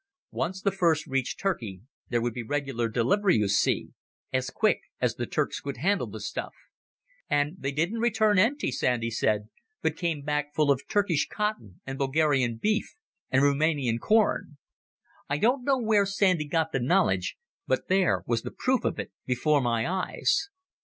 Once the first reached Turkey, there would be regular delivery, you see—as quick as the Turks could handle the stuff. And they didn't return empty, Sandy said, but came back full of Turkish cotton and Bulgarian beef and Rumanian corn. I don't know where Sandy got the knowledge, but there was the proof of it before my eyes.